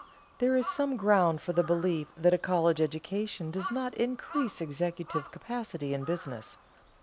There is some ground for the belief that a college education does not increase executive capacity in business.